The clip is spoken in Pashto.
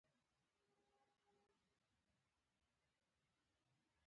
ایا تاسو د غاښونو ډاکټر یاست؟